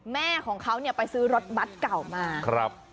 แม่ของเขาไปซื้อรถบัสเก่ามา